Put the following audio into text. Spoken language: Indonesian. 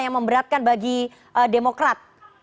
yang memberatkan bagi demokrat